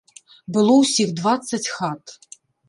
Было ўсіх дваццаць хат.